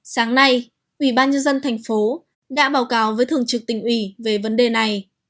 sáng nay ủy ban nhân dân thành phố đã báo cáo với thường trực tỉnh ủy về vấn đề này